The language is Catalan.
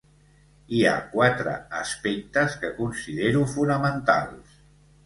Hi ha quatre aspectes que considero fonamentals.